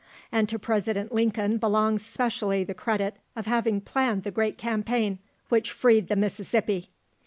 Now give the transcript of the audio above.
And to President Lincoln belongs specially the credit of having planned the great campaign which freed the Mississippi.